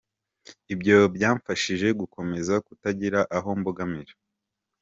Ibyo byamfashije gukomeza kutagira aho mbogamira.